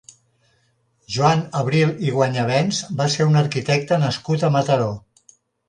Joan Abril i Guanyabens va ser un arquitecte nascut a Mataró.